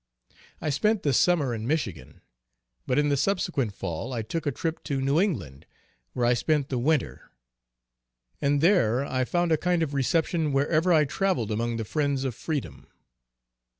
I spent the summer in Michigan, but in the subsequent fall I took a trip to New England, where I spent the winter. And there I found a kind reception wherever I traveled among the friends of freedom.